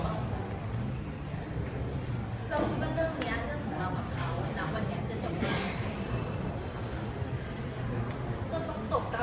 แล้วคุณก็เริ่มงานเรื่องของเรากับเขา